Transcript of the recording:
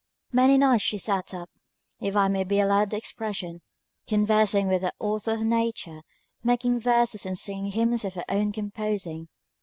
Many nights she sat up, if I may be allowed the expression, conversing with the Author of Nature, making verses, and singing hymns of her own composing.